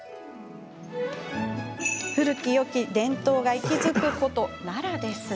古きよき伝統が息づく古都、奈良です。